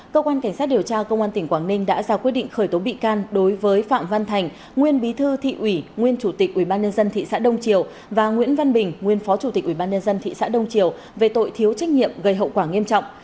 cơ quan cảnh sát điều tra công an tỉnh quảng ninh đã ra quyết định khởi tố bị can đối với phạm văn thành nguyên bí thư thị ủy nguyên chủ tịch ubnd thị xã đông triều và nguyễn văn bình nguyên phó chủ tịch ubnd thị xã đông triều về tội thiếu trách nhiệm gây hậu quả nghiêm trọng